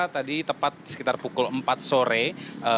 tadi tepat sekitar pukul empat sore